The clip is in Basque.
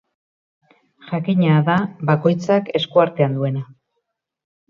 Jakina da bakoitzak esku artean duena.